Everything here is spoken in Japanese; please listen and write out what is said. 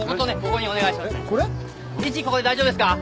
ここで大丈夫ですか？